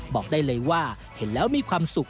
บอกได้เลยว่าเห็นแล้วมีความสุข